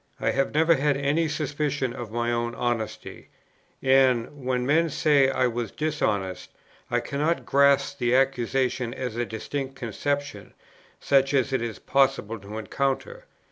I have never had any suspicion of my own honesty; and, when men say that I was dishonest, I cannot grasp the accusation as a distinct conception, such as it is possible to encounter.